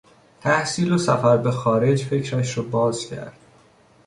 تحصیل و سفر به خارج فکرش را باز کرد.